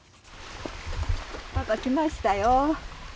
また来ましたよ。